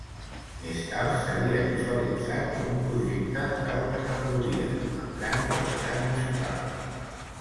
Més tard seria visualitzat com un projecte d'alta categoria, amb gran qualitat musical.